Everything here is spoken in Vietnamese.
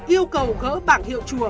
yêu cầu gỡ bảng hiệu chùa